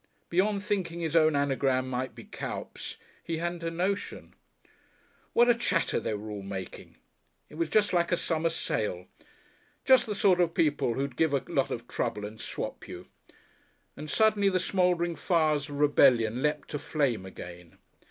Beyond thinking his own anagram might be Cuyps, he hadn't a notion. What a chatter they were all making! It was just like a summer sale! Just the sort of people who'd give a lot of trouble and swap you! And suddenly the smouldering fires of rebellion leapt to flame again.